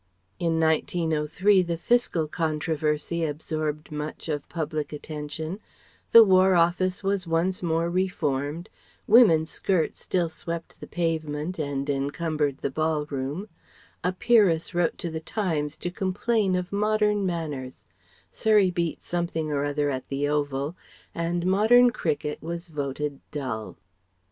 In 1903, the Fiscal controversy absorbed much of public attention, the War Office was once more reformed, women's skirts still swept the pavement and encumbered the ball room, a Peeress wrote to the Times to complain of Modern Manners, Surrey beat Something or other at the Oval, and modern Cricket was voted dull.